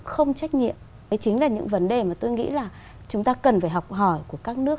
không trách nhiệm đấy chính là những vấn đề mà tôi nghĩ là chúng ta cần phải học hỏi của các nước